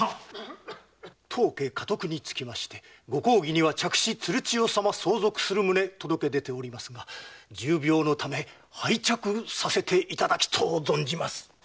当家家督につきましてご公儀には嫡子・鶴千代様相続する旨届け出ておりますが重病のため廃嫡させていただきとう存じます。